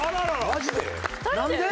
マジで？